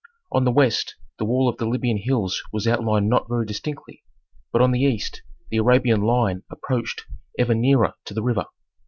On the west the wall of the Libyan hills was outlined not very distinctly; but on the east the Arabian line approached ever nearer to the river.